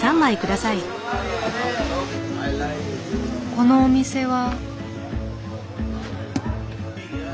このお店は。